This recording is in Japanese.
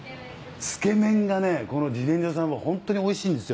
つけ麺がねこの次念序さんはホントにおいしいんですよ。